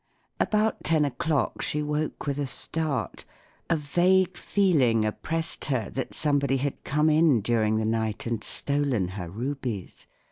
About ten o'clock she woke with a start. A vague feeling oppressed her that somebody had come in during the night and stolen her rubies.